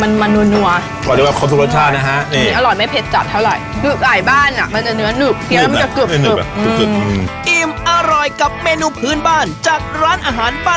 อันนี้คือไก่ลวนภราร้า